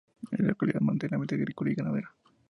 Es una localidad netamente agrícola y ganadera.